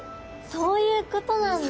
そういうことなんだ。